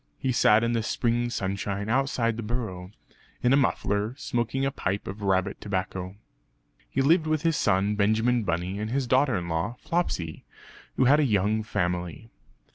He sat in the spring sunshine outside the burrow, in a muffler; smoking a pipe of rabbit tobacco. He lived with his son Benjamin Bunny and his daughter in law Flopsy, who had a young family.